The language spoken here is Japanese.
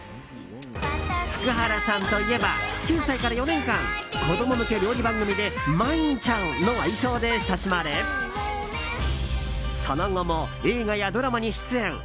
福原さんといえば９歳から４年間子供向け料理番組でまいんちゃんの愛称で親しまれその後も映画やドラマに出演。